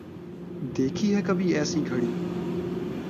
دیکھی ہے کبھی ایسی گھڑی